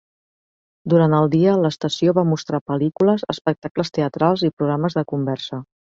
Durant el dia, l'estació va mostrar pel·lícules, espectacles teatrals i programes de conversa.